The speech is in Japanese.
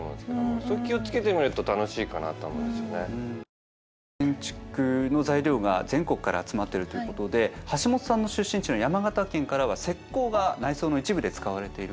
そういう建築の材料が全国から集まっているということで橋本さんの出身地の山形県からは石膏が内装の一部で使われているという。